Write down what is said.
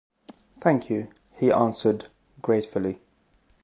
"Thank you," he answered, gratefully.